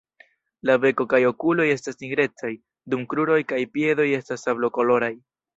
La beko kaj okuloj estas nigrecaj, dum kruroj kaj piedoj estas sablokoloraj.